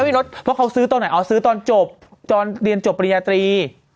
รถเพราะเขาซื้อตอนไหนอ๋อซื้อตอนจบตอนเรียนจบปริญญาตรี